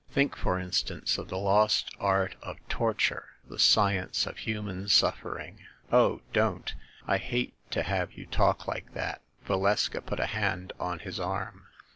Think, for instance, of the lost art of torture ‚ÄĒ the science of human suffering ‚ÄĒ " "Oh, don't! I hate to have you talk like that!" Valeska put a hand on his arm.